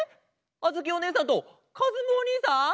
あづきおねえさんとかずむおにいさん？